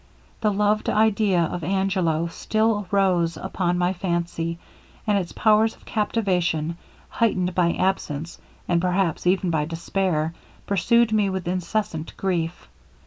The loved idea of Angelo still rose upon my fancy, and its powers of captivation, heightened by absence, and, perhaps even by despair, pursued me with incessant grief.